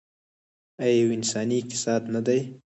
آیا یو انساني اقتصاد نه دی؟